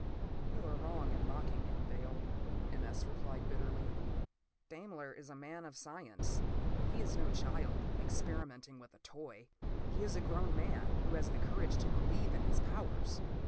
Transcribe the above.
p> "You are wrong in mocking him, Dale," M. S. replied bitterly. "Daimler is a man of science. He is no child, experimenting with a toy; he is a grown man who has the courage to believe in his powers.